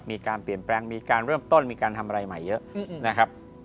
มีการเปลี่ยนแปลงมีการเริ่มต้นมีการทำอะไรใหม่เยอะนะครับ